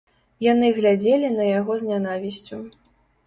Яны глядзелі на яго з нянавісцю.